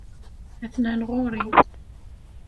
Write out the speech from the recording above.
Atnan ɣuṛ-i.